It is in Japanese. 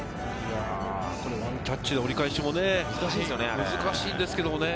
ワンタッチで折り返しもね、難しいんですけれどね。